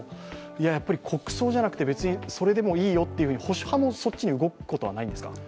いや、やっぱり国葬じゃなくてそれでもいいよというふうに保守派の方がそっちに動くことはないんですか？